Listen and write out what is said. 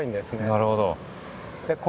なるほど。